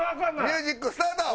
ミュージックスタート！